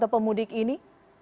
atau pemudik ini